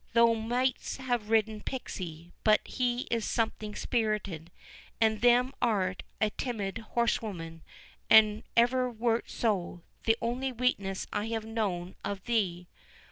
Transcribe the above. Thou might'st have ridden Pixie, but he is something spirited, and them art a timid horsewoman, and ever wert so—the only weakness I have known of thee."